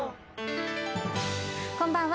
こんばんは。